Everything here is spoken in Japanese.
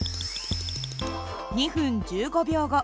２分１５秒後。